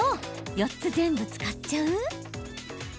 ４つ全部使っちゃう？